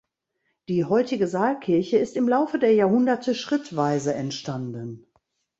Die heutige Saalkirche ist im Laufe der Jahrhunderte schrittweise entstanden.